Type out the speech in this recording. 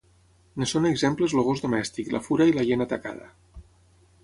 En són exemples el gos domèstic, la fura i la hiena tacada.